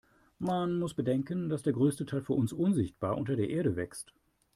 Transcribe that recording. Man muss bedenken, dass der größte Teil für uns unsichtbar unter der Erde wächst.